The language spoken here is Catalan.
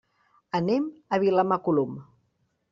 Anem a Vilamacolum.